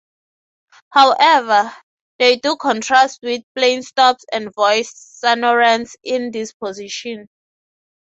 However, they do contrast with plain stops and voiced sonorants in this position.